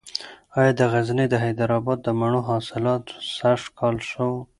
ایا د غزني د حیدر اباد د مڼو حاصلات سږکال ښه و؟